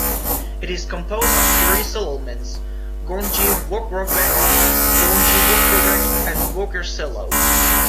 It is composed of three settlements: Gornji Vugrovec, Donji Vugrovec and Vuger Selo.